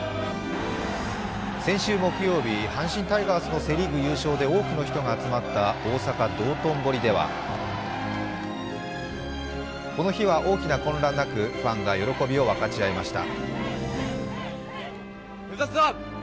先週木曜日、阪神タイガースのセ・リーグ優勝で多くの人が集まった大阪・道頓堀ではこの日は大きな混乱なくファンが喜びを分かち合いました。